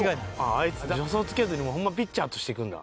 あいつ助走つけずにホンマピッチャーとしていくんだ。